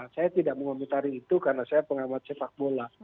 saya tidak mengomentari itu karena saya pengamat persepakbola